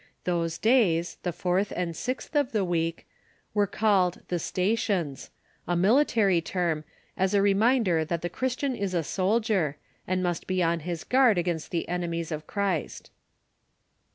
Those days, the fourth and sixth of the week, were called the statio?is — a military Y6 THE EARLY CHURCH term, as a reminder that the Cliristian is a soldier, and must be on his guard against the enemies of Christ.